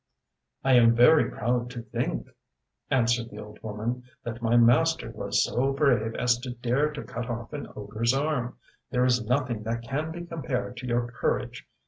ŌĆØ ŌĆ£I am very proud to think, ŌĆØ answered the old woman, ŌĆ£that my master was so brave as to dare to cut off an ogreŌĆÖs arm. There is nothing that can be compared to your courage.